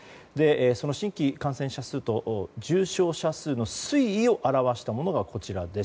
その新規感染者数と重症者数の推移を表したものがこちらです。